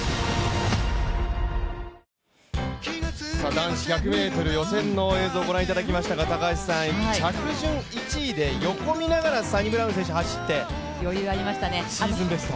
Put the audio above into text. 男子１００ｍ予選の映像をご覧いただきましたが着順１位で横見ながらサニブラウン選手、走って、シーズンベスト。